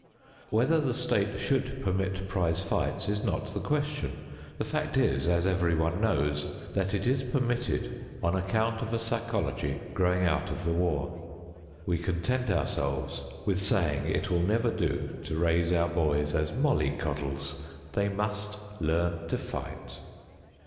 Whether the state should permit prize fights is not the question. The fact is, as everyone knows, that it is permitted on account of a psychology growing out of the war. We content ourselves with saying it will never do to raise our boys as molly coddles; they must learn to fight.